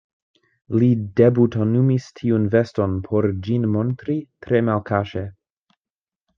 Li debutonumis tiun veston, por ĝin montri tre malkaŝe.